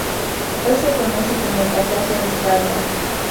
Hoy se conoce como el Pasaje Ripalda.